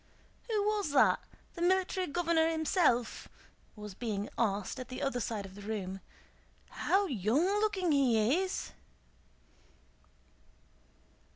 "Who was that? The Military Governor himself?" was being asked at the other side of the room. "How young looking he is!"